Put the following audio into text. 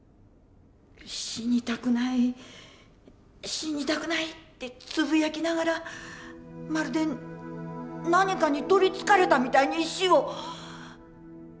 「死にたくない死にたくない」ってつぶやきながらまるで何かに取りつかれたみたいに石を。